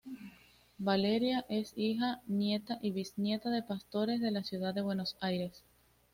Valeria es hija, nieta y bisnieta de pastores de la ciudad de Buenos Aires.